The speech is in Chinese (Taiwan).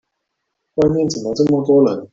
外面怎麼那麼多人？